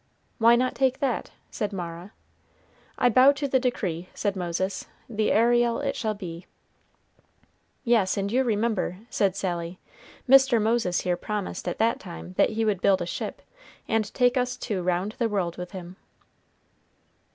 "Why not take that?" said Mara. "I bow to the decree," said Moses. "The Ariel it shall be." "Yes; and you remember," said Sally, "Mr. Moses here promised at that time that he would build a ship, and take us two round the world with him."